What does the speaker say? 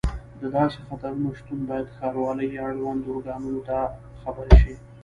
د داسې خطرونو شتون باید ښاروالۍ یا اړوندو ارګانونو ته خبر شي.